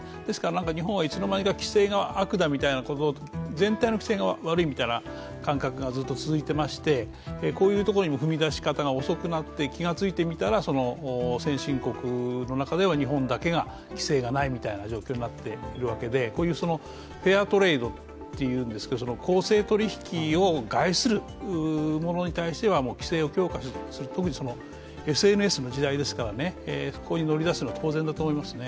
日本はいつの間にか、規制が悪だみたいな、全体の規制が悪いんだみたいな感覚がずっと続いてまして、こういうところの踏み出し方が遅くなって、気がついてみたら、先進国の中では日本だけが規制がないみたいな状況になっているわけで、こういうフェアトレードっていうですけど公正取引を害するものに対しては規制を強化する、特にＳＮＳの時代ですからここに乗り出すのは当然だと思いますね。